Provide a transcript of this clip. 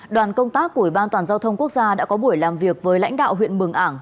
đoàn công tác của ủy ban toàn giao thông quốc gia đã có buổi làm việc với lãnh đạo huyện mường ảng